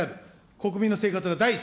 国民の生活が第一。